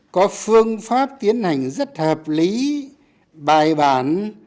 có phương pháp tiến hành rất hợp lý bài bản